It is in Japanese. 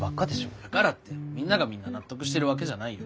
だからってみんながみんな納得してるわけじゃないよ。